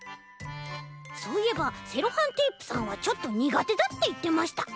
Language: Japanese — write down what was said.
そういえばセロハンテープさんはちょっとにがてだっていってました。